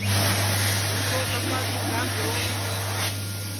تُوں تو سپا دُؔؔودھام دہؤڑی تی